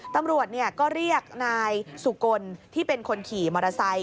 ตำรวจก็เรียกนายสุกลที่เป็นคนขี่มอเตอร์ไซค